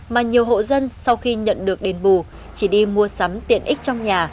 mà nhiều hộ dân sau khi nhận được đền bù chỉ đi mua sắm tiện ích trong nhà